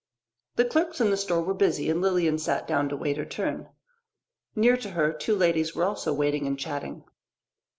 The clerks in the store were busy and Lilian sat down to wait her turn. Near to her two ladies were also waiting and chatting.